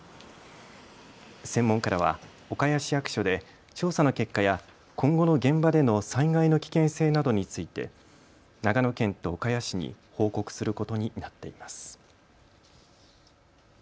専門家らは岡谷市役所で調査の結果や今後の現場での災害の危険性などについて長野県と岡谷市に報告することになっています。